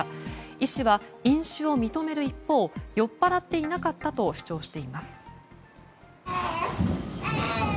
医師は飲酒を認める一方酔っぱらっていなかったと主張しています。